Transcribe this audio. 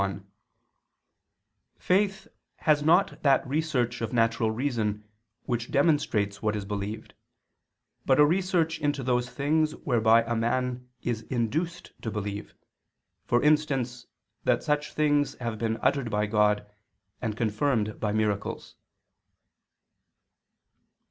1: Faith has not that research of natural reason which demonstrates what is believed, but a research into those things whereby a man is induced to believe, for instance that such things have been uttered by God and confirmed by miracles.